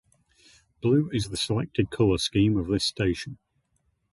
Blue is the selected colour scheme of this station.